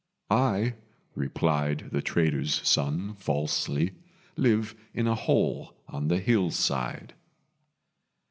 "I," replied the trader's son, falsely, "live in a hole on the hill side."